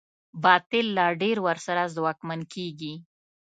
باطل لا ډېر ورسره ځواکمن کېږي.